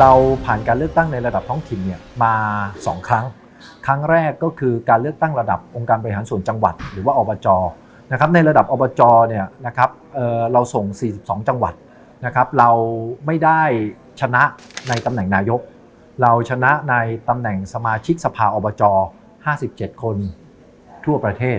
เราผ่านการเลือกตั้งในระดับท้องถิ่นเนี่ยมา๒ครั้งครั้งแรกก็คือการเลือกตั้งระดับองค์การบริหารส่วนจังหวัดหรือว่าอบจนะครับในระดับอบจเนี่ยนะครับเราส่ง๔๒จังหวัดนะครับเราไม่ได้ชนะในตำแหน่งนายกเราชนะในตำแหน่งสมาชิกสภาอบจ๕๗คนทั่วประเทศ